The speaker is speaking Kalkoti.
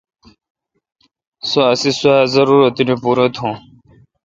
سو اسی سوا زارورت پورہ تھو۔